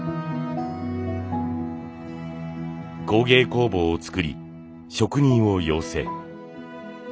工芸工房を作り職人を養成。